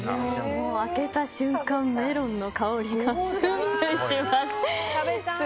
開けた瞬間、メロンの香りがプンプンします。